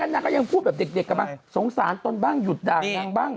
นางก็ยังพูดแบบเด็กกลับมาสงสารตนบ้างหยุดด่านางบ้าง